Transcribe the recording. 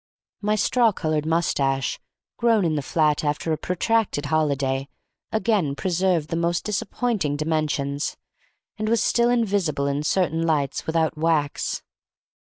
My straw colored moustache, grown in the flat after a protracted holiday, again preserved the most disappointing dimensions, and was still invisible in certain lights without wax.